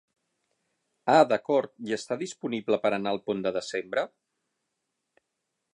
Ah d'acord i està disponible per anar el pont de desembre?